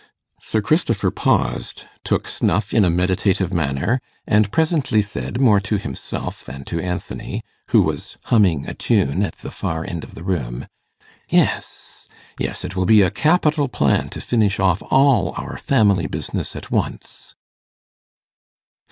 Sir Christopher paused, took snuff in a meditative manner, and presently said, more to himself than to Anthony, who was humming a tune at the far end of the room, 'Yes, yes. It will be a capital plan to finish off all our family business at once.